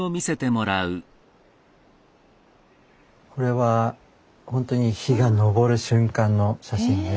これはほんとに日が昇る瞬間の写真です。